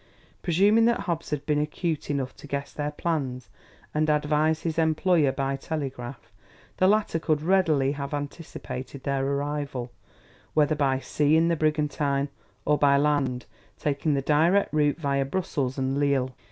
Presuming that Hobbs had been acute enough to guess their plans and advise his employer by telegraph, the latter could readily have anticipated their arrival, whether by sea in the brigantine, or by land, taking the direct route via Brussels and Lille.